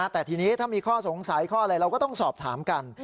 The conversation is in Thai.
แต่ทีนี้ถ้ามีข้อสงสัยข้ออะไรเราก็ต้องสอบถามกัน